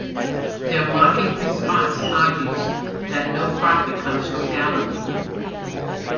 Their mocking response argues that no prophet comes from Galilee.